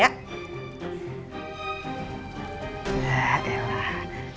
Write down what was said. ya ya lah